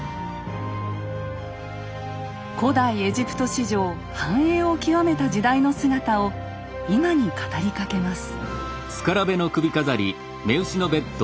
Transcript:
古代エジプト史上繁栄を極めた時代の姿を今に語りかけます。